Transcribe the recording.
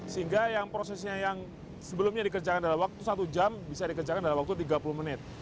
sehingga yang prosesnya yang sebelumnya dikerjakan dalam waktu satu jam bisa dikerjakan dalam waktu tiga puluh menit